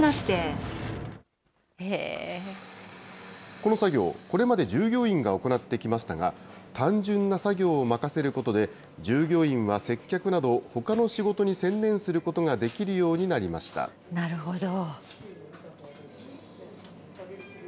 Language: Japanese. この作業、これまで従業員が行ってきましたが、単純な作業を任せることで、従業員は接客など、ほかの仕事に専念することができるようになりなるほど。